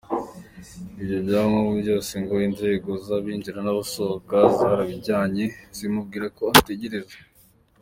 Ibyo byangombwa byose ngo inzego z’abinjira n’abasohoka zarabijyanye zimubwira ko ategereza!